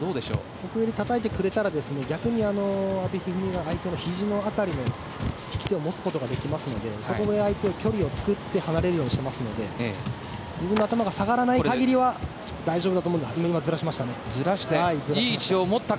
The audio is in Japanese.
奥襟をたたいてくれたら逆に阿部一二三は相手のひじの辺りの引き手を持つことができるのでそこで相手の距離を作って離れるようにしていますので自分の頭が下がらない限りは大丈夫だと思いますが今、ずらしましたね。